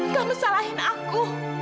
kamu salahin aku